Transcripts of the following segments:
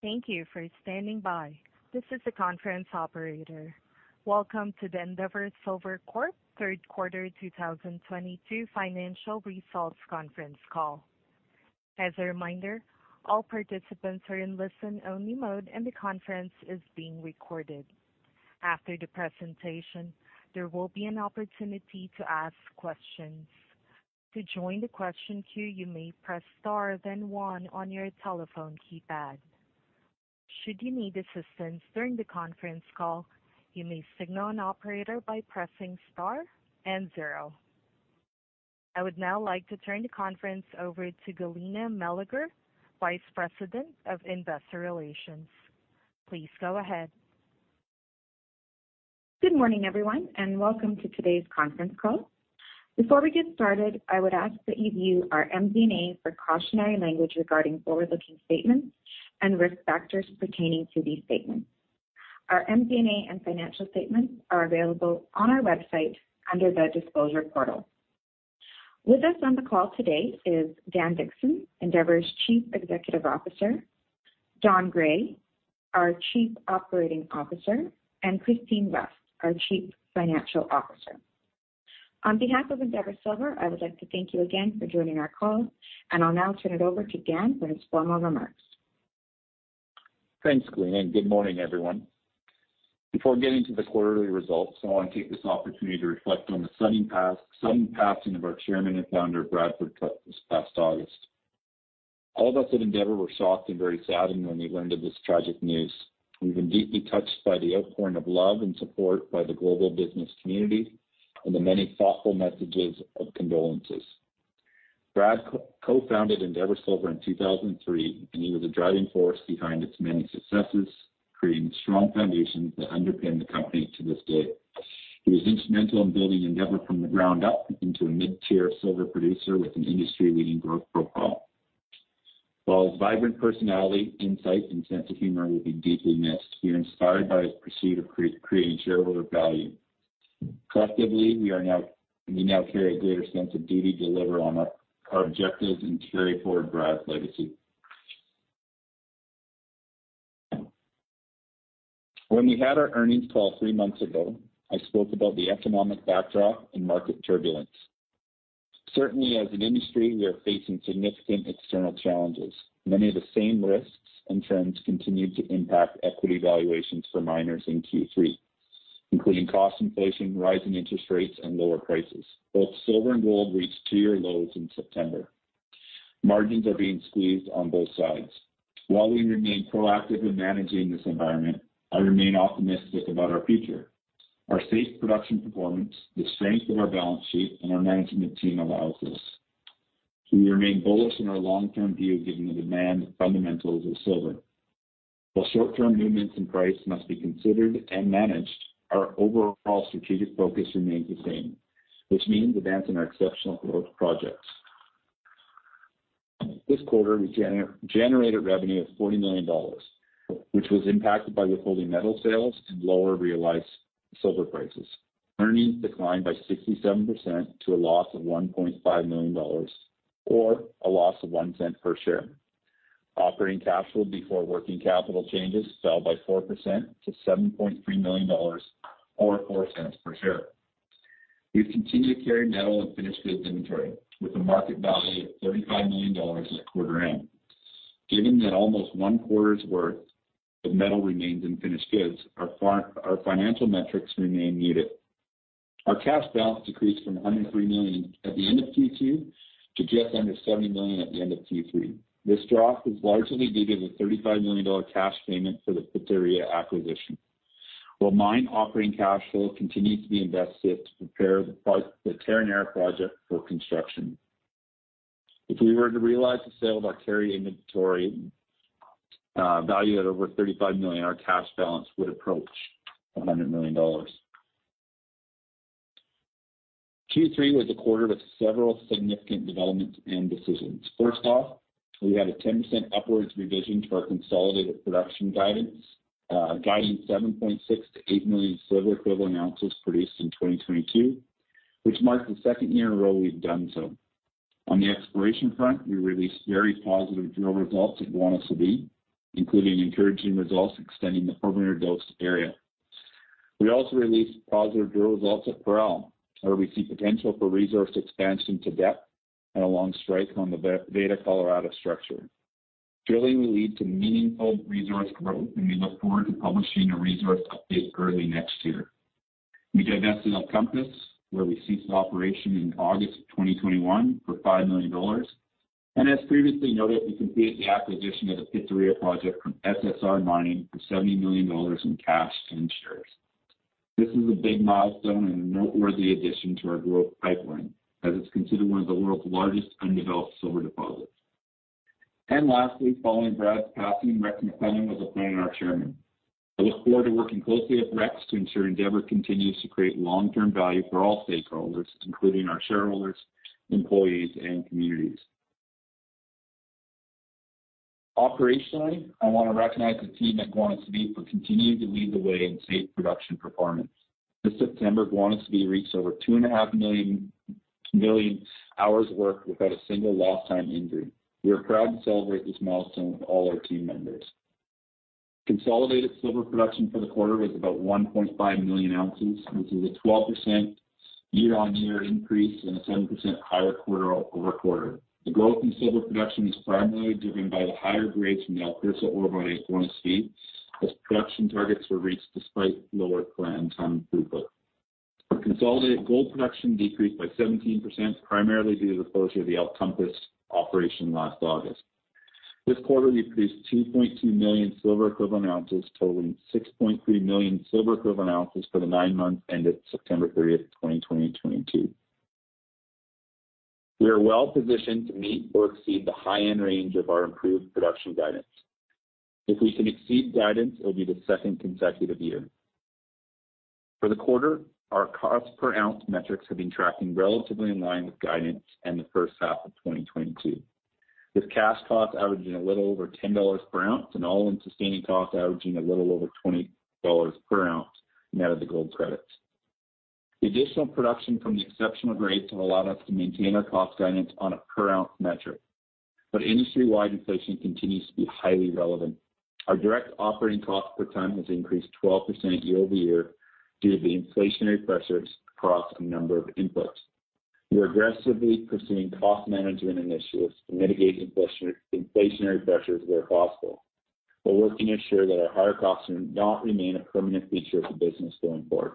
Thank you for standing by. This is the conference operator. Welcome to the Endeavour Silver Corp. Third Quarter 2022 Financial Results Conference Call. As a reminder, all participants are in listen-only mode, and the conference is being recorded. After the presentation, there will be an opportunity to ask questions. To join the question queue, you may press star then one on your telephone keypad. Should you need assistance during the conference call, you may signal an operator by pressing star and zero. I would now like to turn the conference over to Galina Meleger, Vice President of Investor Relations. Please go ahead. Good morning, everyone, and welcome to today's conference call. Before we get started, I would ask that you view our MD&A for cautionary language regarding forward-looking statements and risk factors pertaining to these statements. Our MD&A and financial statements are available on our website under the disclosure portal. With us on the call today is Dan Dickson, Endeavour's Chief Executive Officer, Donald Gray, our Chief Operating Officer, and Christine West, our Chief Financial Officer. On behalf of Endeavour Silver, I would like to thank you again for joining our call, and I'll now turn it over to Dan for his formal remarks. Thanks, Galina, and good morning, everyone. Before getting to the quarterly results, I want to take this opportunity to reflect on the sudden passing of our Chairman and Founder, Bradford Cooke, this past August. All of us at Endeavour were shocked and very saddened when we learned of this tragic news. We've been deeply touched by the outpouring of love and support by the global business community and the many thoughtful messages of condolences. Brad co-founded Endeavour Silver in 2003, and he was a driving force behind its many successes, creating strong foundations that underpin the company to this day. He was instrumental in building Endeavour from the ground up into a mid-tier silver producer with an industry-leading growth profile. While his vibrant personality, insight, and sense of humor will be deeply missed, we are inspired by his pursuit of creating shareholder value. Collectively, we now carry a greater sense of duty to deliver on our objectives and carry forward Brad's legacy. When we had our earnings call three months ago, I spoke about the economic backdrop and market turbulence. Certainly, as an industry, we are facing significant external challenges. Many of the same risks and trends continued to impact equity valuations for miners in Q3, including cost inflation, rising interest rates, and lower prices. Both silver and gold reached two-year lows in September. Margins are being squeezed on both sides. While we remain proactive in managing this environment, I remain optimistic about our future. Our safe production performance, the strength of our balance sheet, and our management team allows this. We remain bullish in our long-term view given the demand fundamentals of silver. While short-term movements in price must be considered and managed, our overall strategic focus remains the same, which means advancing our exceptional growth projects. This quarter, we generated revenue of $40 million, which was impacted by withholding metal sales and lower realized silver prices. Earnings declined by 67% to a loss of $1.5 million, or a loss of $0.01 per share. Operating cash flow before working capital changes fell by 4% to $7.3 million or $0.04 per share. We've continued to carry metal and finished goods inventory with a market value of $35 million at quarter end. Given that almost one quarter's worth of metal remains in finished goods, our financial metrics remain muted. Our cash balance decreased from $103 million at the end of Q2 to just under $70 million at the end of Q3. This drop is largely due to the $35 million cash payment for the Pitarrilla acquisition, while mine operating cash flow continues to be invested to prepare the Terronera project for construction. If we were to realize the sale of our carry inventory, valued at over $35 million, our cash balance would approach $100 million. Q3 was a quarter with several significant developments and decisions. First off, we had a 10% upwards revision to our consolidated production guidance, guiding 7.6 million-8 million silver equivalent ounces produced in 2022, which marks the second year in a row we've done so. On the exploration front, we released very positive drill results at Guanacevi, including encouraging results extending the Hermenegildos area. We also released positive drill results at Parral, where we see potential for resource expansion to depth and along strike on the Veta Colorado structure. Drilly will lead to meaningful resource growth, we look forward to publishing a resource update early next year. We divested El Compas, where we ceased operation in August 2021 for $5 million. As previously noted, we completed the acquisition of the Pitarrilla project from SSR Mining for $70 million in cash and shares. This is a big milestone and a noteworthy addition to our growth pipeline, as it's considered one of the world's largest undeveloped silver deposits. Lastly, following Brad's passing, Rex McLennan was appointed our chairman. I look forward to working closely with Rex to ensure Endeavour continues to create long-term value for all stakeholders, including our shareholders, employees, and communities. Operationally, I want to recognize the team at Guanacevi for continuing to lead the way in safe production performance. This September, Guanacevi reached over two and a half million hours worked without a single lost time injury. We are proud to celebrate this milestone with all our team members. Consolidated silver production for the quarter was about 1.5 million ounces, which is a 12% year-on-year increase and a 7% higher quarter-over-quarter. The growth in silver production is primarily driven by the higher grades from the El Curso ore body at Guanacevi, as production targets were reached despite lower plant ton throughput. Our consolidated gold production decreased by 17%, primarily due to the closure of the El Compas operation last August. This quarter, we produced 2.2 million silver equivalent ounces, totaling 6.3 million silver equivalent ounces for the nine months ended September 30, 2022. We are well positioned to meet or exceed the high-end range of our improved production guidance. If we can exceed guidance, it'll be the second consecutive year. For the quarter, our cost per ounce metrics have been tracking relatively in line with guidance in the first half of 2022, with cash costs averaging a little over $10 per ounce and all-in sustaining costs averaging a little over $20 per ounce net of the gold credits. The additional production from the exceptional grades have allowed us to maintain our cost guidance on a per ounce metric, but industry-wide inflation continues to be highly relevant. Our direct operating cost per ton has increased 12% year-over-year due to the inflationary pressures across a number of inputs. We are aggressively pursuing cost management initiatives to mitigate inflationary pressures where possible. We're working to ensure that our higher costs do not remain a permanent feature of the business going forward.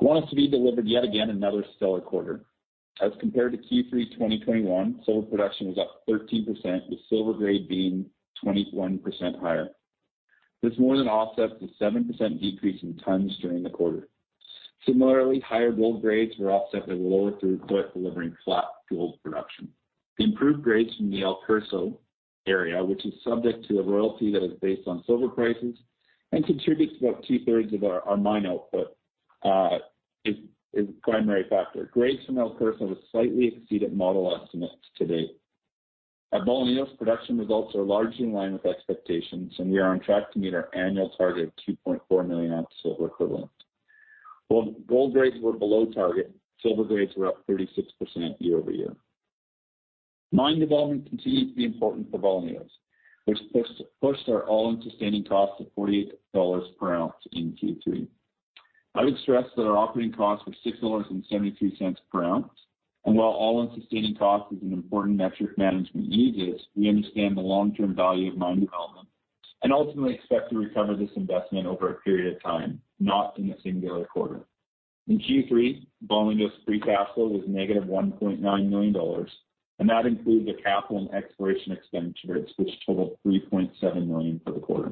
Guanacevi delivered yet again another stellar quarter. As compared to Q3 2021, silver production was up 13%, with silver grade being 21% higher. This more than offsets the 7% decrease in tons during the quarter. Similarly, higher gold grades were offset by lower throughput, delivering flat gold production. The improved grades from the El Curso area, which is subject to a royalty that is based on silver prices and contributes about two-thirds of our mine output, is a primary factor. Grades from El Curso have slightly exceeded model estimates to date. At Bolañitos, production results are largely in line with expectations, and we are on track to meet our annual target of 2.4 million ounce silver equivalent. While gold grades were below target, silver grades were up 36% year-over-year. Mine development continues to be important for Bolañitos, which pushed our all-in sustaining costs to $48 per ounce in Q3. I would stress that our operating costs were $6.72 per ounce, and while all-in sustaining cost is an important metric management uses, we understand the long-term value of mine development and ultimately expect to recover this investment over a period of time, not in a singular quarter. In Q3, Bolañitos free cash flow was negative $1.9 million, and that includes the capital and exploration expenditures, which totaled $3.7 million for the quarter.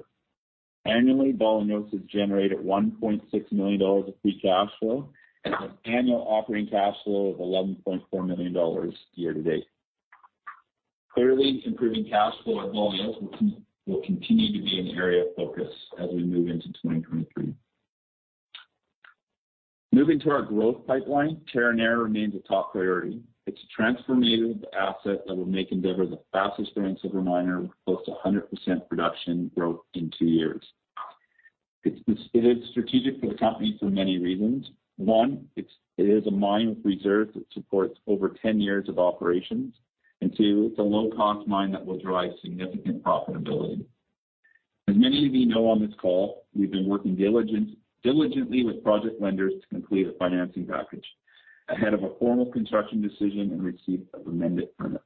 Annually, Bolañitos has generated $1.6 million of free cash flow and has annual operating cash flow of $11.4 million year to date. Clearly, improving cash flow at Bolañitos will continue to be an area of focus as we move into 2023. Moving to our growth pipeline, Terronera remains a top priority. It's a transformative asset that will make Endeavour the fastest growing silver miner, with close to 100% production growth in two years. It is strategic for the company for many reasons. One, it is a mine with reserves that supports over 10 years of operations, and two, it's a low-cost mine that will drive significant profitability. As many of you know on this call, we've been working diligently with project lenders to complete a financing package ahead of a formal construction decision and receipt of amended permits.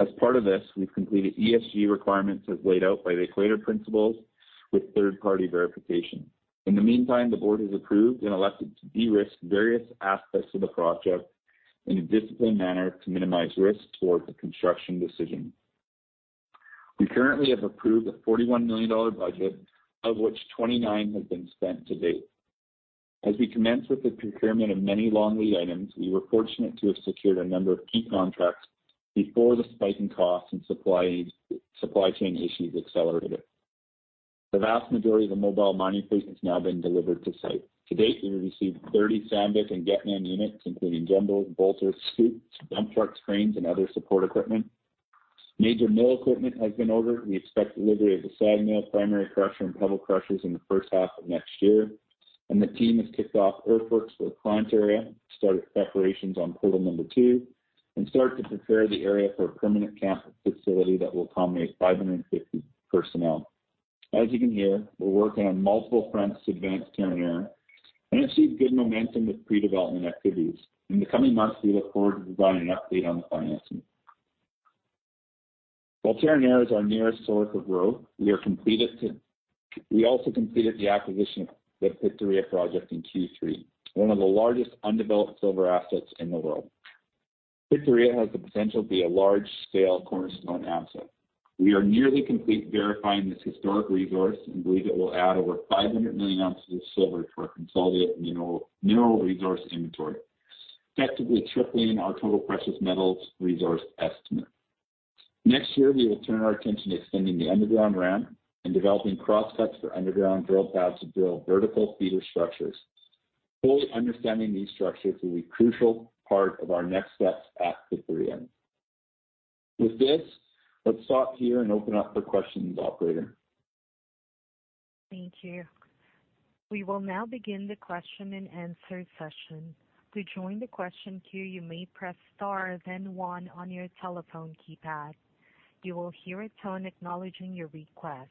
As part of this, we've completed ESG requirements as laid out by the Equator Principles with third-party verification. In the meantime, the board has approved and elected to de-risk various aspects of the project in a disciplined manner to minimize risk towards the construction decision. We currently have approved a $41 million budget, of which $29 million has been spent to date. As we commenced with the procurement of many long-lead items, we were fortunate to have secured a number of key contracts before the spike in costs and supply chain issues accelerated. The vast majority of the mobile mining fleet has now been delivered to site. To date, we have received 30 Sandvik and Getman units, including jumbos, bolters, scoops, dump truck, cranes, and other support equipment. Major mill equipment has been ordered. We expect delivery of the SAG mill, primary crusher, and pebble crushers in the first half of next year. The team has kicked off earthworks for the plant area, started preparations on portal number 2, and started to prepare the area for a permanent camp facility that will accommodate 550 personnel. As you can hear, we're working on multiple fronts to advance Terronera and have seen good momentum with pre-development activities. In the coming months, we look forward to providing an update on the financing. While Terronera is our nearest source of growth, we also completed the acquisition of the Pitarrilla project in Q3, one of the largest undeveloped silver assets in the world. Pitarrilla has the potential to be a large-scale cornerstone asset. We are nearly complete verifying this historic resource and believe it will add over 500 million ounces of silver to our consolidated mineral resource inventory, effectively tripling our total precious metals resource estimate. Next year, we will turn our attention to extending the underground ramp and developing crosscuts for underground drill pads to build vertical feeder structures. Fully understanding these structures will be a crucial part of our next steps at Pitarrilla. With this, let's stop here and open up for questions, operator. Thank you. We will now begin the question and answer session. To join the question queue, you may press star then one on your telephone keypad. You will hear a tone acknowledging your request.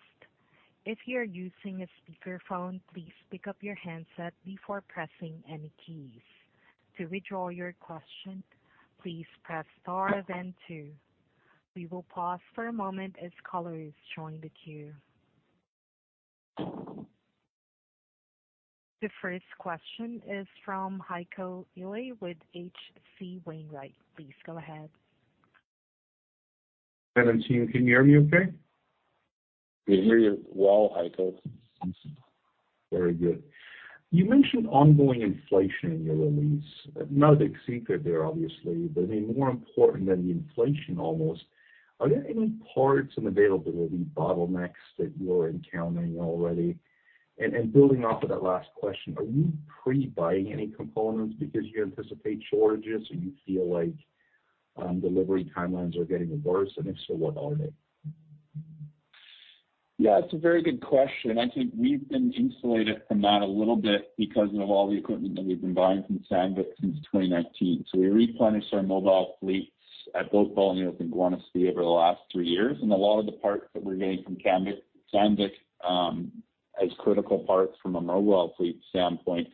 If you are using a speakerphone, please pick up your handset before pressing any keys. To withdraw your question, please press star then two. We will pause for a moment as callers join the queue. The first question is from Heiko Ihle with H.C. Wainwright. Please go ahead. Adam, can you hear me okay? We hear you well, Heiko Ihle. Very good. You mentioned ongoing inflation in your release. Not a big secret there, obviously, but more important than the inflation almost, are there any parts and availability bottlenecks that you're encountering already? Building off of that last question, are you pre-buying any components because you anticipate shortages or you feel like delivery timelines are getting worse? And if so, what are they? Yeah, it's a very good question. I think we've been insulated from that a little bit because of all the equipment that we've been buying from Sandvik since 2019. We replenished our mobile fleets at both Bolañitos and Guanacevi over the last three years. A lot of the parts that we're getting from Sandvik, as critical parts from a mobile fleet standpoint,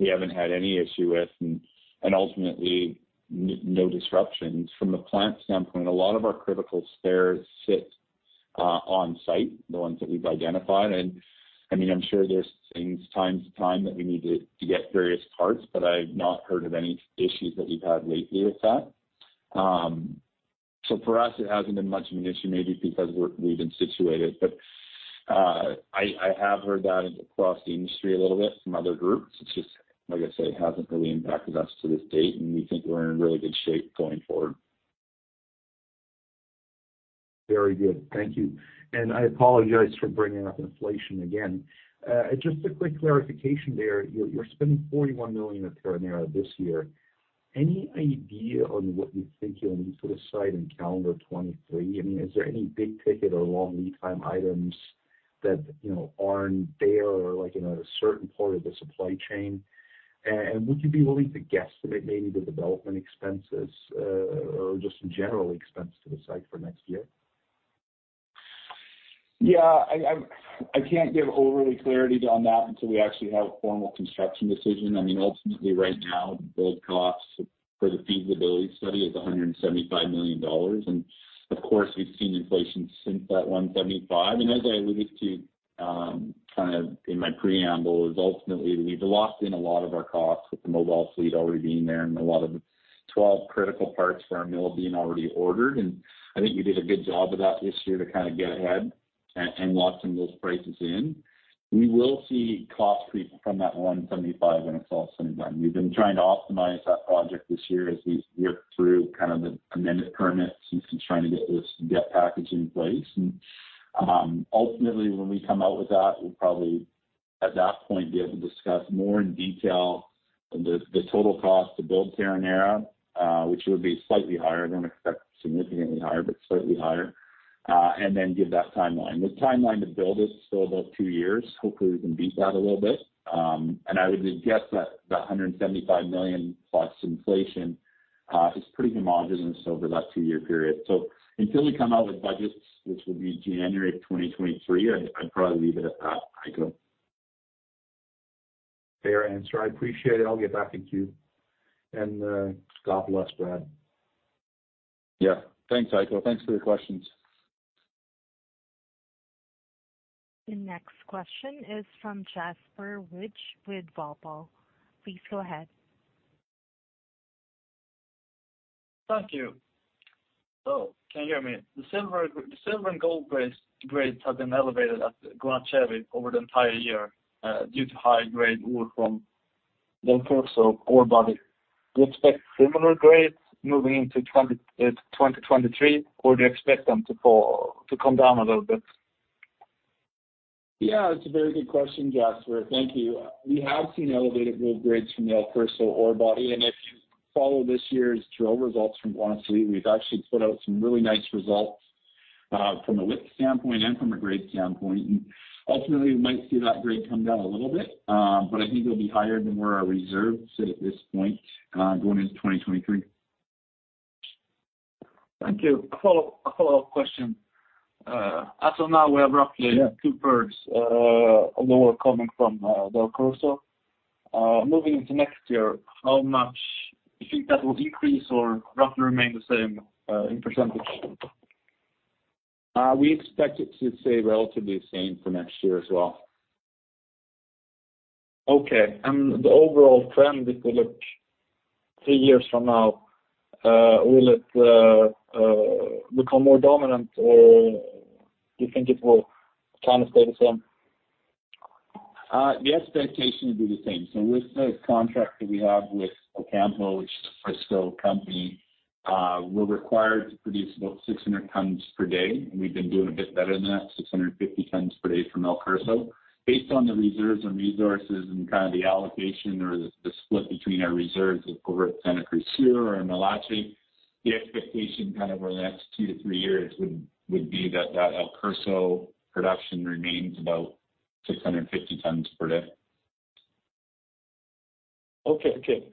we haven't had any issue with, and ultimately, no disruptions. From the plant standpoint, a lot of our critical spares sit on-site, the ones that we've identified. I'm sure there's times that we need to get various parts, but I've not heard of any issues that we've had lately with that. For us, it hasn't been much of an issue, maybe because we've been situated. I have heard that across the industry a little bit from other groups. It's just, like I say, hasn't really impacted us to this date, and we think we're in really good shape going forward. Very good. Thank you. I apologize for bringing up inflation again. Just a quick clarification there. You are spending $41 million at Terronera this year. Any idea on what you think you will need for the site in calendar 2023? Is there any big ticket or long lead time items that are not there or in a certain part of the supply chain? Would you be willing to guesstimate maybe the development expenses or just general expense to the site for next year? Yeah. I can't give overly clarity on that until we actually have a formal construction decision. Ultimately, right now, build cost for the feasibility study is $175 million. Of course, we've seen inflation since that 175. As I alluded to in my preamble, is ultimately we've locked in a lot of our costs with the mobile fleet already being there and a lot of the 12 critical parts for our mill being already ordered. I think we did a good job of that this year to get ahead and locking those prices in. We will see costs creep from that 175 when it's all said and done. We've been trying to optimize that project this year as we've worked through the amended permits and trying to get the package in place. Ultimately, when we come out with that, we'll probably, at that point, be able to discuss more in detail the total cost to build Terronera, which would be slightly higher. I don't expect significantly higher, but slightly higher. Then give that timeline. The timeline to build it is still about two years. Hopefully, we can beat that a little bit. I would guess that the $175 million plus inflation is pretty homogenous over that two-year period. Until we come out with budgets, which will be January of 2023, I'd probably leave it at that, Heiko. Fair answer. I appreciate it. I'll get back in queue. God bless, Brad. Yeah. Thanks, Heiko. Thanks for the questions. The next question is from Jasper Wijk with Valpal. Please go ahead. Thank you. Can you hear me? The silver and gold grades have been elevated at El Curso over the entire year due to high-grade ore from El Curso ore body. Do you expect similar grades moving into 2023, or do you expect them to come down a little bit? Yeah, it's a very good question, Jasper. Thank you. We have seen elevated gold grades from the El Curso ore body, if you follow this year's drill results from Guanacevi, we've actually put out some really nice results from a width standpoint and from a grade standpoint. Ultimately, we might see that grade come down a little bit, but I think it'll be higher than where our reserves sit at this point going into 2023. Thank you. A follow-up question. As of now, we have roughly two-thirds lower coming from El Curso. Moving into next year, how much do you think that will increase or roughly remain the same in percentage? We expect it to stay relatively the same for next year as well. Okay. The overall trend, if we look three years from now, will it become more dominant, or do you think it will stay the same? The expectation will be the same. With the contract that we have with Ocampo, which is a Frisco company, we're required to produce about 600 tons per day, and we've been doing a bit better than that, 650 tons per day from El Curso. Based on the reserves and resources and the allocation or the split between our reserves over at Santa Cruz or Milache, the expectation over the next two to three years would be that that El Curso production remains about 650 tons per day. Okay.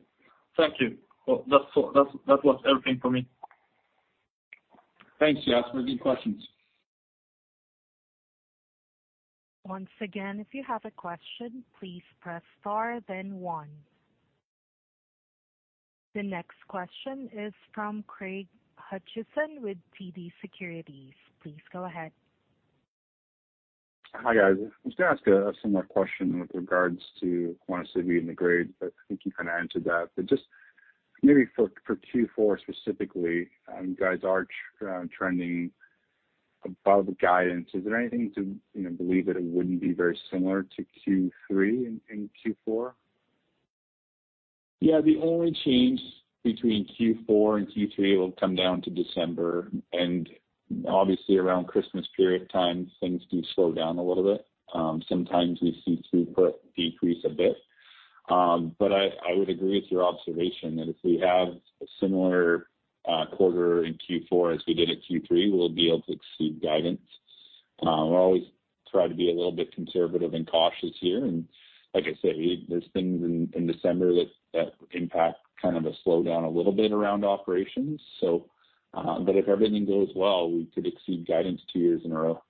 Thank you. Well, that was everything for me. Thanks, Jasper. Good questions. Once again, if you have a question, please press star then one. The next question is from Craig Hutchison with TD Securities. Please go ahead. Hi, guys. I was going to ask a similar question with regards to Guanacevi and the grade, but I think you kind of answered that. Just maybe for Q4 specifically, you guys are trending above guidance. Is there anything to believe that it wouldn't be very similar to Q3 in Q4? Yeah. The only change between Q4 and Q3 will come down to December, and obviously around Christmas period time, things do slow down a little bit. Sometimes we see throughput decrease a bit. I would agree with your observation that if we have a similar quarter in Q4 as we did at Q3, we'll be able to exceed guidance. We always try to be a little bit conservative and cautious here. Like I said, there's things in December that impact, kind of a slowdown a little bit around operations. If everything goes well, we could exceed guidance 2 years in a row.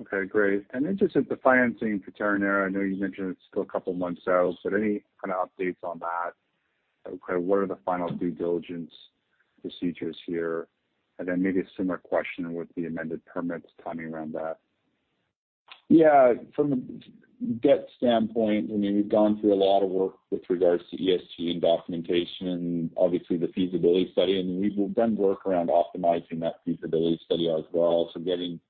Okay, great. Interested, the financing for Terronera, I know you mentioned it's still a couple of months out, any kind of updates on that? Kind of what are the final due diligence procedures here? Then maybe a similar question with the amended permits timing around that. Yeah. From a debt standpoint, we've gone through a lot of work with regards to ESG and documentation and obviously the feasibility study. We've done work around optimizing that feasibility study as well. Getting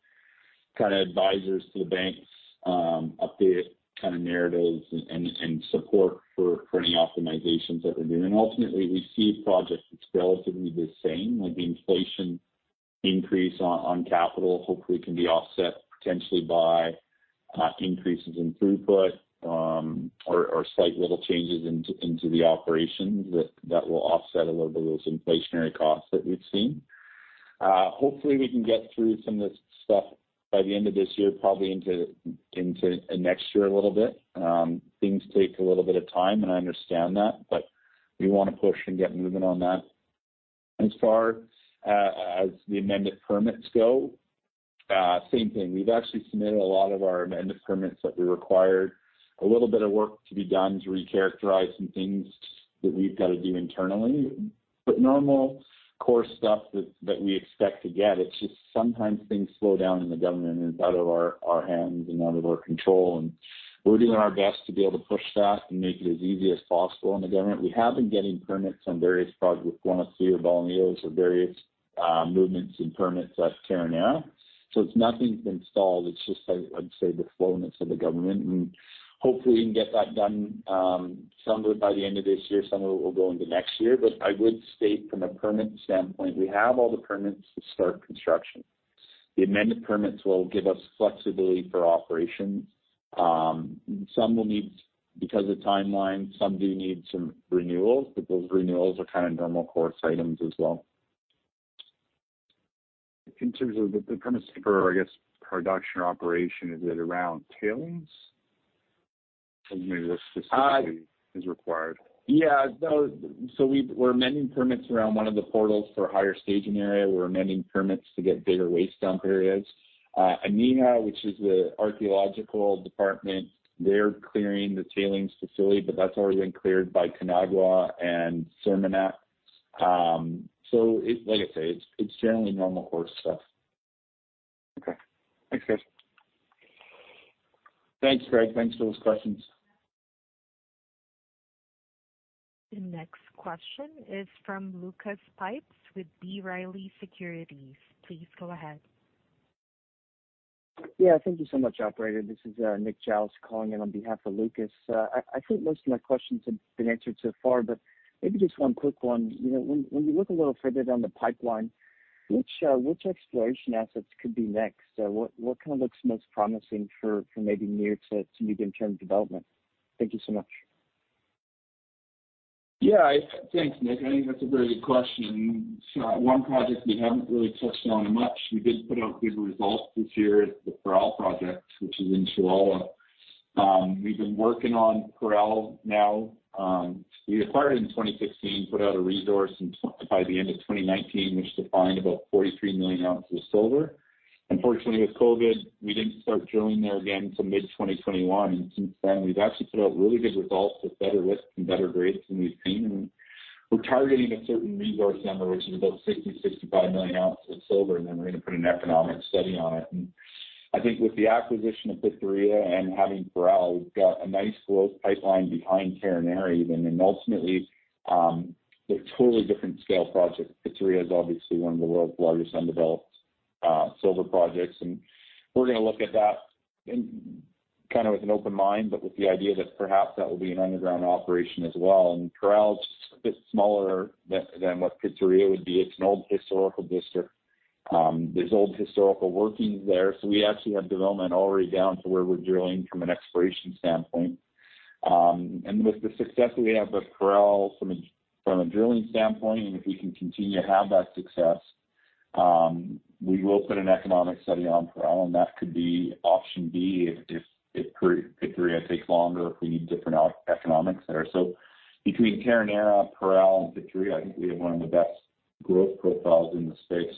kind of advisors to the banks, update kind of narratives and support for any optimizations that we're doing. Ultimately, we see the project as relatively the same, like the inflation increase on capital hopefully can be offset potentially by increases in throughput, or slight little changes into the operations that will offset a little bit of those inflationary costs that we've seen. Hopefully, we can get through some of this stuff by the end of this year, probably into next year a little bit. Things take a little bit of time, and I understand that, we want to push and get moving on that. As far as the amended permits go, same thing. We've actually submitted a lot of our amended permits that we required. A little bit of work to be done to recharacterize some things that we've got to do internally, normal course stuff that we expect to get. It's just sometimes things slow down in the government, it's out of our hands and out of our control, we're doing our best to be able to push that and make it as easy as possible on the government. We have been getting permits on various projects, Guanacevi or Bolañitos or various movements and permits at Terronera. It's nothing's been stalled, it's just, I'd say, the slowness of the government, hopefully we can get that done. Some of it by the end of this year, some of it will go into next year. I would state from a permit standpoint, we have all the permits to start construction. The amended permits will give us flexibility for operations. Because of timeline, some do need some renewals, but those renewals are kind of normal course items as well. In terms of the permits for, I guess, production or operation, is it around tailings? Maybe what specifically is required? Yeah. We're amending permits around one of the portals for a higher staging area. We're amending permits to get bigger waste dump areas. INAH, which is the archaeological department, they're clearing the tailings facility, but that's already been cleared by CONAGUA and SEMARNAT. Like I say, it's generally normal course stuff. Okay. Thanks, Chris. Thanks, Craig. Thanks for those questions. The next question is from Lucas Pipes with B. Riley Securities. Please go ahead. Yeah. Thank you so much, operator. This is Nick Giles calling in on behalf of Lucas. I think most of my questions have been answered so far, maybe just one quick one. When you look a little further down the pipeline, which exploration assets could be next? What kind of looks most promising for maybe near to medium-term development? Thank you so much. Yeah. Thanks, Nick. I think that's a very good question. One project we haven't really touched on much, we did put out good results this year at the Parral project, which is in Chihuahua. We've been working on Parral now. We acquired it in 2016, put out a resource by the end of 2019, which defined about 43 million ounces of silver. Unfortunately, with COVID, we didn't start drilling there again till mid-2021, since then we've actually put out really good results with better widths and better grades than we've seen. We're targeting a certain resource number, which is about 60-65 million ounces of silver, then we're going to put an economic study on it. I think with the acquisition of Pitarrilla and having Parral, we've got a nice growth pipeline behind Terronera even. Ultimately, they're totally different scale projects. Pitarrilla is obviously one of the world's largest undeveloped silver projects, we're going to look at that kind of with an open mind, but with the idea that perhaps that will be an underground operation as well. Parral is just a bit smaller than what Pitarrilla would be. It's an old historical district. There's old historical workings there. We actually have development already down to where we're drilling from an exploration standpoint. With the success that we have with Parral from a drilling standpoint, and if we can continue to have that success, we will put an economic study on Parral, and that could be option B if Pitarrilla takes longer, if we need different economics there. Between Terronera, Parral, and Pitarrilla, I think we have one of the best growth profiles in the space.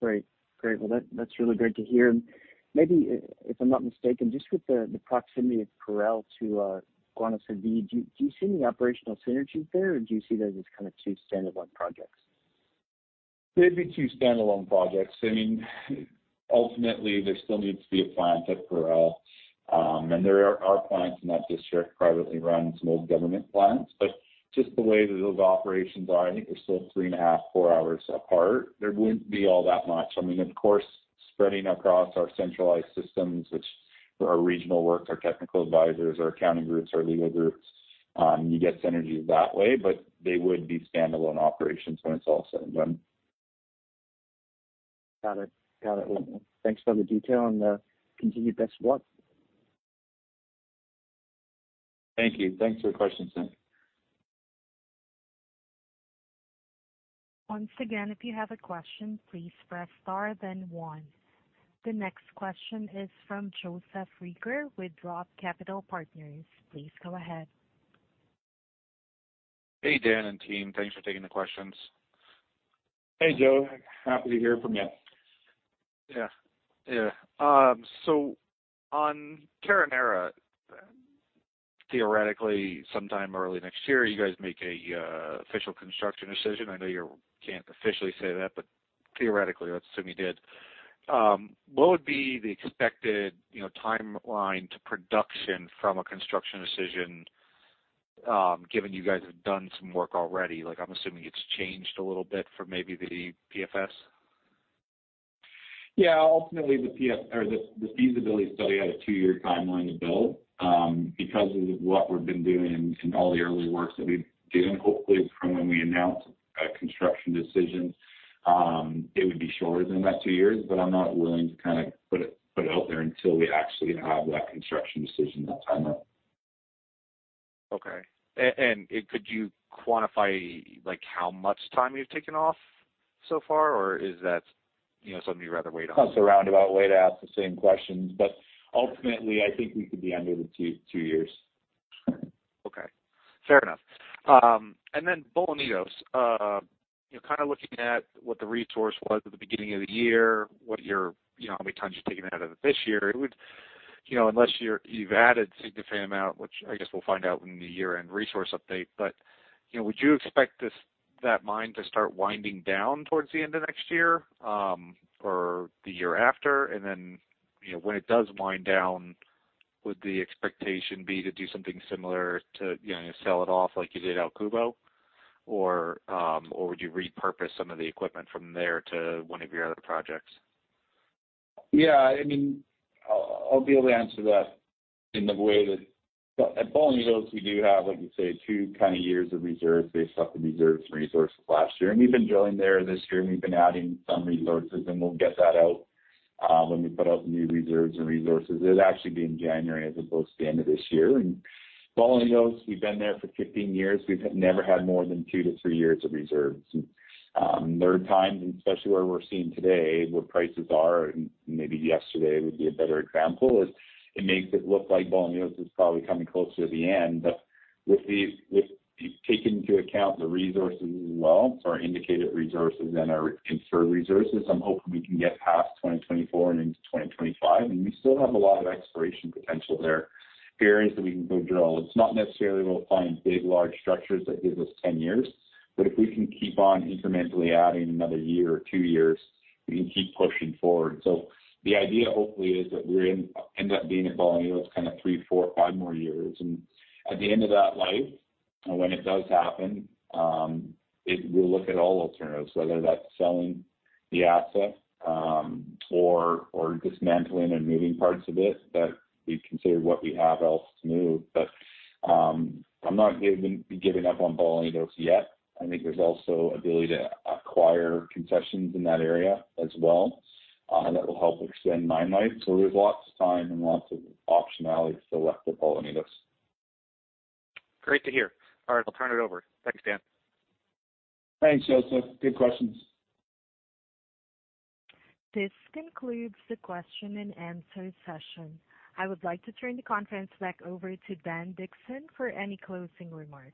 Great. Well, that's really great to hear. Maybe, if I'm not mistaken, just with the proximity of Parral to Guanacevi, do you see any operational synergies there, or do you see those as two standalone projects? They'd be two standalone projects. Ultimately, there still needs to be a plant at Parral. There are plants in that district, privately run, some old government plants. Just the way that those operations are, I think they're still three and a half, four hours apart. There wouldn't be all that much. Of course, spreading across our centralized systems, which are our regional work, our technical advisors, our accounting groups, our legal groups, you get synergies that way. They would be standalone operations when it's all said and done. Got it. Well, thanks for the detail and the continued best of luck. Thank you. Thanks for the question, Sam. Once again, if you have a question, please press star, then one. The next question is from Joseph Recker with Roth Capital Partners. Please go ahead. Hey, Dan and team. Thanks for taking the questions. Hey, Joe. Happy to hear from you. Yeah. On Terronera, theoretically, sometime early next year, you guys make a official construction decision. I know you can't officially say that, theoretically, let's assume you did. What would be the expected timeline to production from a construction decision, given you guys have done some work already? I'm assuming it's changed a little bit from maybe the PFS. Yeah. Ultimately, the feasibility study had a two-year timeline to build. Because of what we've been doing and all the early works that we've given, hopefully from when we announce a construction decision, it would be shorter than that two years. I'm not willing to put it out there until we actually have that construction decision, that timeline. Okay. Could you quantify how much time you've taken off so far, or is that something you'd rather wait on? That's a roundabout way to ask the same question, ultimately, I think we could be under the two years. Bolañitos. Looking at what the resource was at the beginning of the year, how many tons you've taken out of it this year, unless you've added a significant amount, which I guess we'll find out in the year-end resource update, but would you expect that mine to start winding down towards the end of next year or the year after? When it does wind down, would the expectation be to do something similar to sell it off like you did El Cubo, or would you repurpose some of the equipment from there to one of your other projects? Yeah. I'll be able to answer that in the way that at Bolañitos, we do have, like you say, two years of reserves based off the reserves and resources last year. We've been drilling there this year, and we've been adding some resources, and we'll get that out when we put out the new reserves and resources. It'll actually be in January as opposed to the end of this year. Bolañitos, we've been there for 15 years. We've never had more than two to three years of reserves. There are times, especially where we're sitting today, where prices are, and maybe yesterday would be a better example, is it makes it look like Bolañitos is probably coming closer to the end. If you take into account the resources as well, so our indicated resources and our inferred resources, I'm hoping we can get past 2024 and into 2025. We still have a lot of exploration potential there, areas that we can go drill. It's not necessarily we'll find big, large structures that give us 10 years, but if we can keep on incrementally adding another year or two years, we can keep pushing forward. The idea, hopefully, is that we end up being at Bolañitos three, four, five more years. At the end of that life, when it does happen, we'll look at all alternatives, whether that's selling the asset or dismantling and moving parts of it. We'd consider what we have else to move. I'm not giving up on Bolañitos yet. I think there's also ability to acquire concessions in that area as well that will help extend mine life. There's lots of time and lots of optionality still left at Bolañitos. Great to hear. All right, I'll turn it over. Thanks, Dan. Thanks, Joseph. Good questions. This concludes the question and answer session. I would like to turn the conference back over to Dan Dickson for any closing remarks.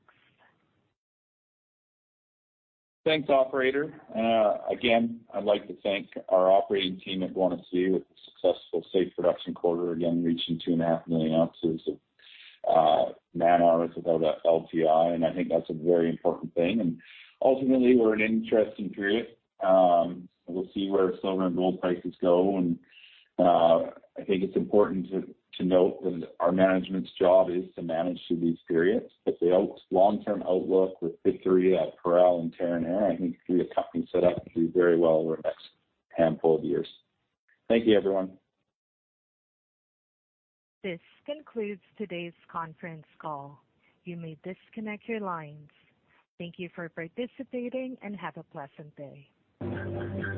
Thanks, operator. Again, I'd like to thank our operating team at Guanacevi with a successful safe production quarter, again, reaching 2.5 million ounces of man-hours without LTI, and I think that's a very important thing. Ultimately, we're in an interesting period. We'll see where silver and gold prices go, and I think it's important to note that our management's job is to manage through these periods. The long-term outlook with Pitarrilla, Parral, and Terronera, I think we have company set up to do very well over the next handful of years. Thank you, everyone. This concludes today's conference call. You may disconnect your lines. Thank you for participating, and have a pleasant day.